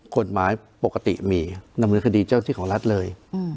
ขนหมายปกติมีนำมือคดีเจ้าพิธีของรัฐเลย